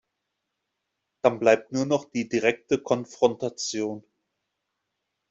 Dann bleibt nur noch die direkte Konfrontation.